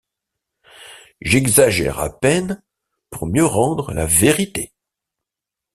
J’exagère à peine pour mieux rendre la vérité.